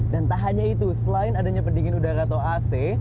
dan tak hanya itu selain adanya pendingin udara atau ac